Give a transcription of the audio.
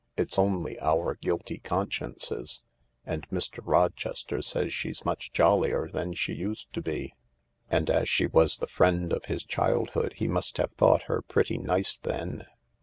It's only our guilty consciences. And Mr. Rochester says she's much jollier than she used to be." " And as she was the friend of his childhood he must have thought her pretty nice then.